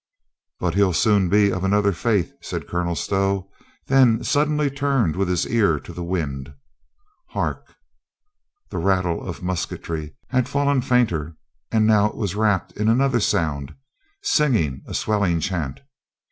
"But he'll soon be of another faith," said Colonel Stow, then suddenly turned with his ear to the wind. "Hark!" The rattle of musketry had fallen fainter, and COLONEL ROYSTON DESERTS A LADY loi now it was wrapped in another sound — singing, a swelling chant.